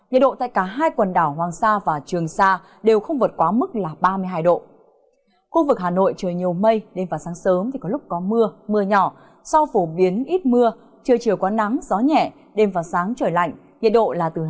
nhiệt độ là từ hai mươi đến hai mươi bảy độ